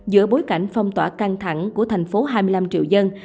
giữa bối cảnh phong tỏa căng thẳng của thành phố hai mươi năm triệu dân